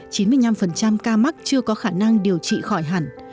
chín mươi năm ca mắc chưa có khả năng điều trị khỏi hẳn